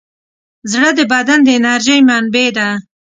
زړه د بدن د انرژۍ منبع ده.